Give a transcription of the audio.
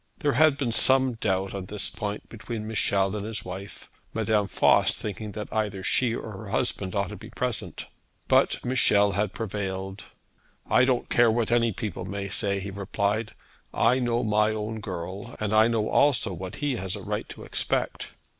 There had been some doubt on this point between Michel and his wife, Madame Voss thinking that either she or her husband ought to be present. But Michel had prevailed. 'I don't care what any people may say,' he replied. 'I know my own girl; and I know also what he has a right to expect.'